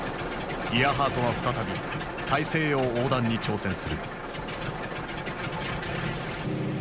イアハートは再び大西洋横断に挑戦する。